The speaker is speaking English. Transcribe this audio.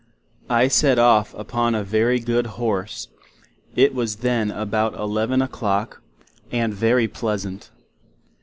I set off upon a very good Horse; it was then about 11 o'Clock, and very pleasant.